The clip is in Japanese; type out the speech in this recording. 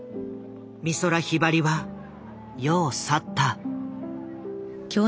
美空ひばりは世を去った。